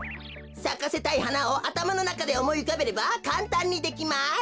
さかせたいはなをあたまのなかでおもいうかべればかんたんにできます。